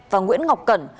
và nguyễn ngọc cẩn